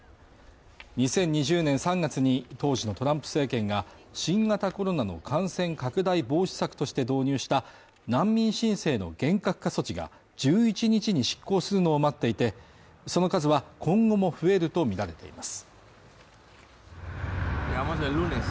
２０２０年３月に当時のトランプ政権が新型コロナの感染拡大防止策として導入した難民申請の厳格化措置が１１日に失効するのを待っていてその数は今後も増えるとみられています。